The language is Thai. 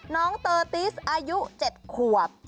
น้องเตอร์ติสอายุ๗ขวบ